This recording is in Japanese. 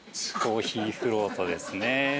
コーヒーフロートですね。